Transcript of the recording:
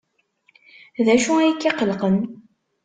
D acu ay k-iqellqen?